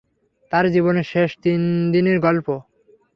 তার জীবনের শেষ তিন দিনের গল্প।